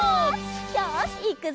よしいくぞ！